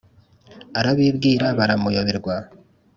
Arabibwira baramuyoberwa